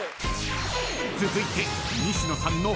［続いて］